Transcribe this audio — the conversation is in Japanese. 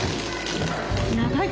長い。